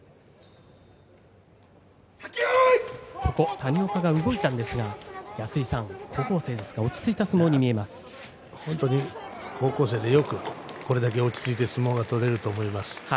谷岡が動いたんですが安井さん、高校生ですが高校生でよくこれだけ落ち着いて相撲が取れると思います。